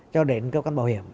cho đến cơ quan bảo hiểm